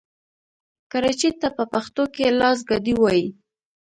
کراچۍ ته په پښتو کې لاسګاډی وايي.